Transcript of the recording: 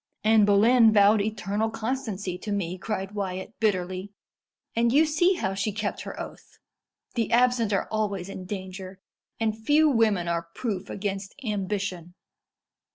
"Anne Boleyn vowed eternal constancy to me," cried Wyat bitterly; "and you see how she kept her oath. The absent are always in danger; and few women are proof against ambition.